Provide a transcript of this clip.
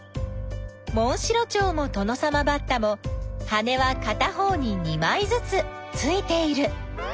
モンシロチョウもトノサマバッタも羽はかた方に２まいずつついている。